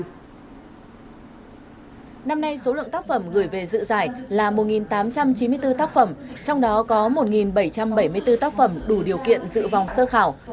năm nay số lượng tác phẩm gửi về dự giải là một tám trăm chín mươi bốn tác phẩm trong đó có một bảy trăm bảy mươi bốn tác phẩm đủ điều kiện dự vòng sơ khảo